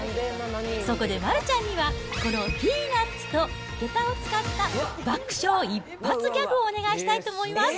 そこで丸ちゃんには、このピーナッツとげたを使った、爆笑一発ギャグをお願いしたいと思います。